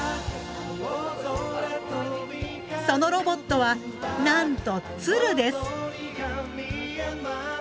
そのロボットはなんと鶴です！